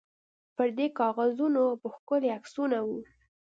پر دې کاغذانو به ښکلي عکسونه وو.